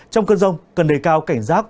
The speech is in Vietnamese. trong cơn rông cần đề cao cảnh rác